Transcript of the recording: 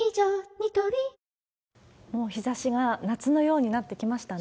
ニトリもう日ざしが夏のようになってきましたね。